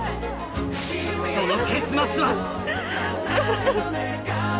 その結末は？